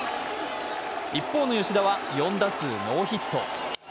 一方の吉田は４打数ノーヒット。